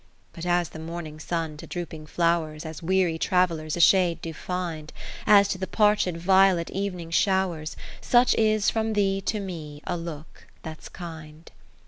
XVII But as the morning Sun to drooping flowers, As weary travellers a shade do find. As to the parched violet evening showers ; Such is from thee to me a look that's kind.